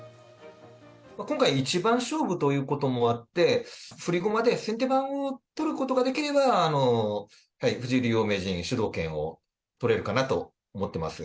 今回、一番勝負ということもあって、振り駒で先手番を取ることができれば、藤井竜王名人が主導権を取れるかなと思ってます。